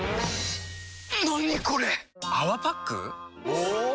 お！